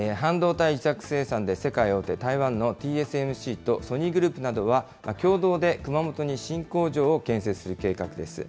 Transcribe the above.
半導体委託生産で世界大手、台湾のＴＳＭＣとソニーグループなどは共同で、熊本に新工場を建設する計画です。